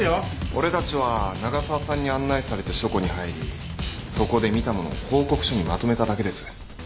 俺たちは長澤さんに案内されて書庫に入りそこで見たものを報告書にまとめただけです。